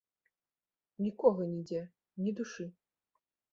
Нікога нідзе, ні душы.